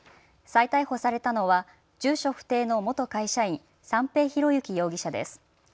再逮捕されたのは住所不定の元会社員、三瓶博幸容疑者です。